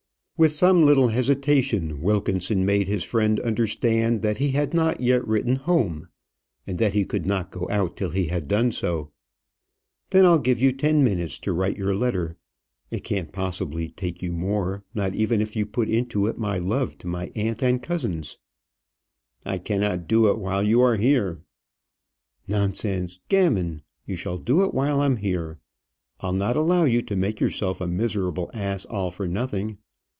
With some little hesitation, Wilkinson made his friend understand that he had not yet written home, and that he could not go out till he had done so. "Then I'll give you ten minutes to write your letter; it can't possibly take you more, not even if you put into it my love to my aunt and cousins." "I cannot do it while you are here." "Nonsense! gammon! You shall do it while I'm here. I'll not allow you to make yourself a miserable ass all for nothing.